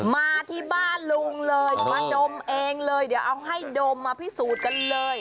มาที่บ้านลุงเลยมาดมเองเลยเดี๋ยวเอาให้ดมมาพิสูจน์กันเลย